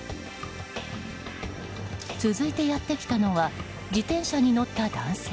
続いてやってきたのは自転車に乗った男性。